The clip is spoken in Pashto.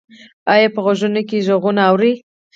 ایا په غوږونو کې غږونه اورئ؟